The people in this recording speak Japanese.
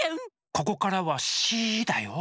ここからはシーだよ。